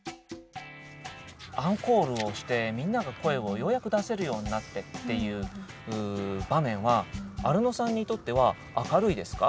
アンコールをしてみんなが声をようやく出せるようになってっていう場面は明るいですね。